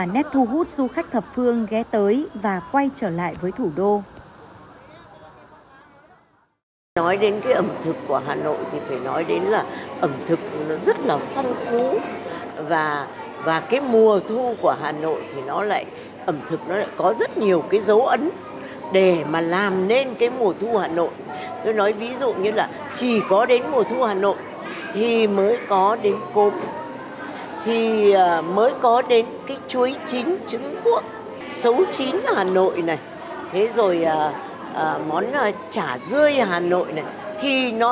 nghệ nhân phạm thị ánh là nét thu hút du khách thập phương ghé tới và quay trở lại với thủ đô